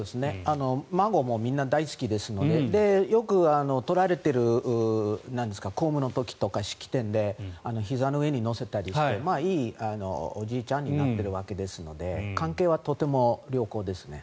孫もみんな大好きですのでよく撮られている公務の時とか式典で、ひざの上に乗せたりしていいおじいちゃんになっているわけですので関係はとても良好ですね。